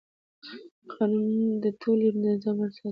قانون د ټولنې د نظم بنسټ دی.